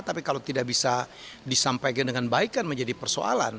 tapi kalau tidak bisa disampaikan dengan baik kan menjadi persoalan